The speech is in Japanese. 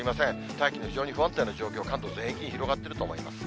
大気の非常に不安定な状況、関東全域に広がっていると思います。